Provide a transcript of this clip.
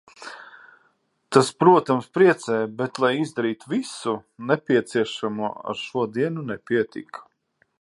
Tas, protams, priecē, bet lai izdarītu visu nepieciešamo ar šodienu nepietika.